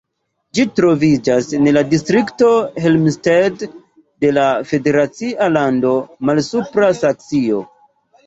Ĝi troviĝas en la distrikto Helmstedt de la federacia lando Malsupra Saksio.